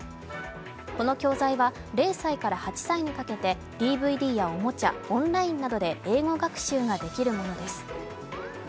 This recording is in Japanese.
この教材は、０歳から８歳にかけてＤＶＤやおもちゃ、オンラインなどで英語学習ができるものです。